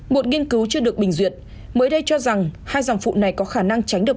một nghiên cứu chưa được bình duyệt mới đây cho rằng hai dòng phụ này có khả năng tránh được